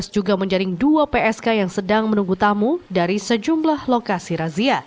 juga menjaring dua psk yang sedang menunggu tamu dari sejumlah lokasi razia